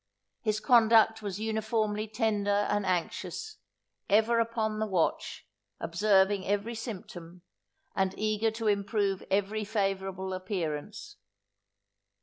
His conduct was uniformly tender and anxious, ever upon the watch, observing every symptom, and eager to improve every favourable appearance.